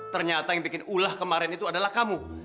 ternyata yang bikin ulah kemarin itu adalah kamu